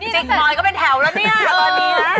จิกหน่อยก็เป็นแถวแล้วเนี่ยตอนนี้